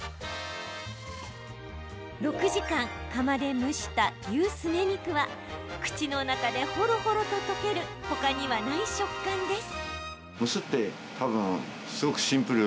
６時間、釜で蒸した牛すね肉は口の中で、ほろほろと溶ける他にはない食感です。